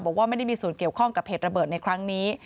บอกว่าไม่ได้มีส่วนเกี่ยวข้องกับเหตุระเบิดในครั้งนี้